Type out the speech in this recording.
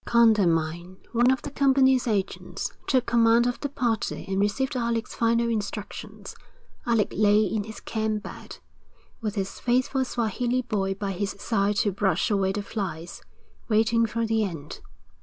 Condamine, one of the company's agents, took command of the party and received Alec's final instructions. Alec lay in his camp bed, with his faithful Swahili boy by his side to brush away the flies, waiting for the end.